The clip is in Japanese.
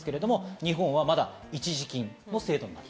日本はまだ一時金の制度。